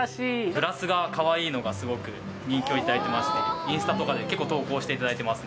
グラスがかわいいのがすごく人気をいただいてまして、インスタとかで、結構投稿していただいてます。